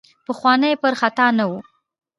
پخواني پر خطا نه وو.